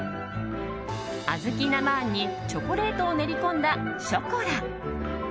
小豆生あんにチョコレートを練り込んだショコラ。